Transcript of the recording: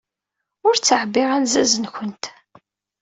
Ur ttɛebbiɣ alzaz-nwent.